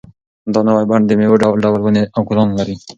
دا نوی بڼ د مېوو ډول ډول ونې او ګلان لري.